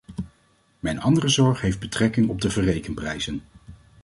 Mijn andere zorg heeft betrekking op de verrekenprijzen.